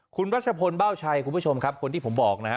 คุณรัชพลเบ้าชัยคุณผู้ชมครับคนที่ผมบอกนะฮะ